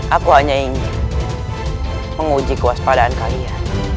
aku hanya ingin menguji kewaspadaan kalian